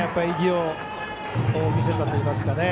意地を見せたといいますか。